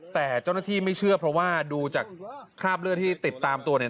แต่เจ้าหน้าที่ไม่เชื่อเพราะว่าดูจากคราบเลือดที่ติดตามตัวเนี่ย